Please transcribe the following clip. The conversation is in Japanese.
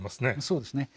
そうですね。